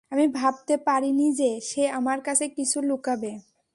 আমি ভাবতে পারিনি যে, সে আমার কাছে কিছু লুকোবে।